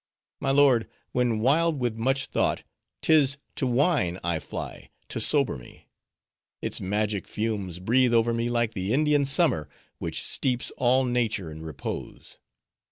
My lord, when wild with much thought, 'tis to wine I fly, to sober me; its magic fumes breathe over me like the Indian summer, which steeps all nature in repose.